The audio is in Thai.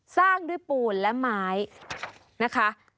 สร้างด้วยปูนและไม้นะคะ